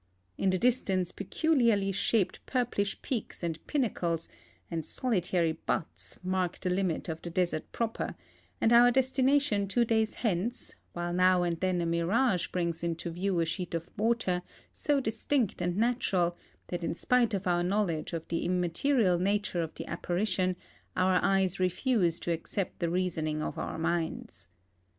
In the distance peculiarly sha})ed purplish peaks and pinnacles and solitary buttes mark the limit of the desert proper and our destination two days hence, while now and then a mirage brings into view a sheet of water so distinct and natural that in spite of our knowledge of the im material nature of the apparition our eyes refuse to accept the reasoning of our minds.